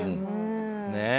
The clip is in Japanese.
ねえ。